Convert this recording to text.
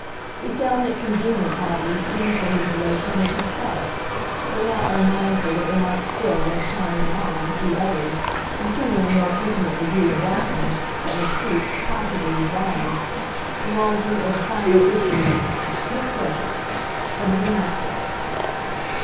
He found it convenient, oddly, even for his relation with himself though not unmindful that there might still, as time went on, be others, including a more intimate degree of that one, that would seek, possibly with violence, the larger or the finer issue which was it? of the vernacular.